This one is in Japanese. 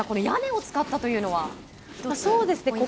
屋根を使ったというのはそうですね。